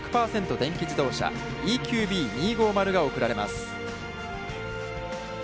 電気自動車、ＥＱＢ２５０が贈られます。